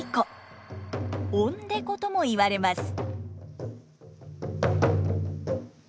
「おんでこ」とも言われます。